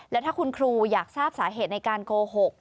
และถ้าคุณครูอยากทราบสาเหตุในการโกหก